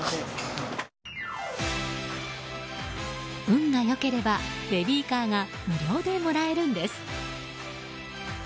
運が良ければ、ベビーカーが無料でもらえるんです。